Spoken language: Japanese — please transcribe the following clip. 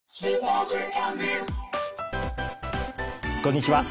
こんにちは。